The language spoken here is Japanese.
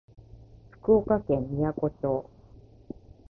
福岡県みやこ町